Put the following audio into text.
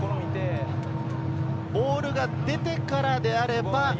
ボールが出てからであれば。